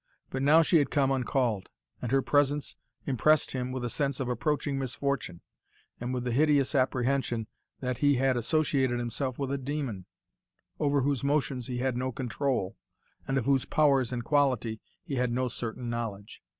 But now she had come uncalled, and her presence impressed him with a sense of approaching misfortune, and with the hideous apprehension that he had associated himself with a demon, over whose motions he had no control, and of whose powers and quality he had no certain knowledge.